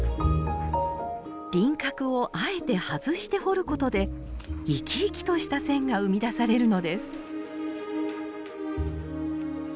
輪郭をあえて外して彫ることで生き生きとした線が生み出されるのです